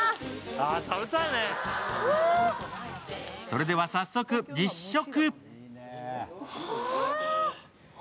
それでは早速、実食。